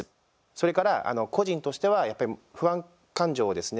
それから個人としてはやっぱり不安感情をですね